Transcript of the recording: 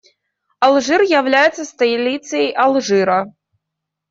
Алжир является столицей Алжира.